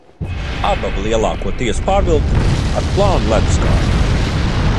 Abava lielāko tiesu pārvilkta ar plānu ledus kārtu.